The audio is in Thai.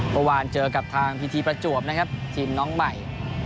เมื่อวานเจอกับทางพีทีประจวบนะครับทีมน้องใหม่